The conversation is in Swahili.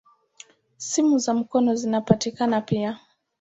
Simu za mkono zinapatikana pia.